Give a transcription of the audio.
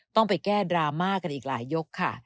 ต้องไปแก้ดราม่ากันอีกหลายยกค่ะ